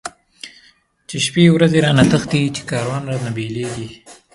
چی شپی ورځی رانه تښتی، چی کاروان رانه بيليږی